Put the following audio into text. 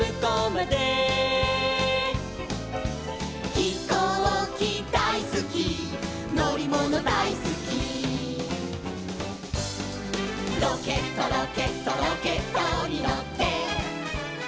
「ひこうきだいすきのりものだいすき」「ロケットロケットロケットにのって」